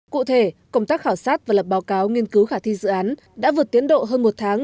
cụ thể công tác khảo sát và lập báo cáo nghiên cứu khả thi dự án đã vượt tiến độ hơn một tháng